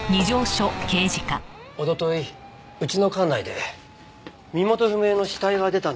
一昨日うちの管内で身元不明の死体が出たんです。